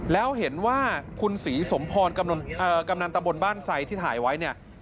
แล้วเห็นว่าคุณศรีสมพรกำนันตะบนบ้านไซดที่ถ่ายไว้เนี่ย